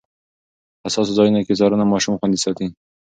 حساسو ځایونو کې څارنه ماشوم خوندي ساتي.